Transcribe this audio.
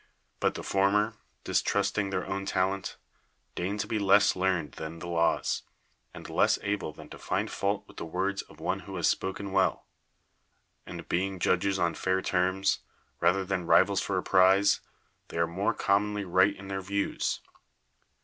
But the former, distrusting their own talent, deign to be less learned than the laws, and less able than to find fault with the words of one who has spoken well; and being judges on fair terms, j ather than I'ivals for a prize, th(\v are more commonly right in their views.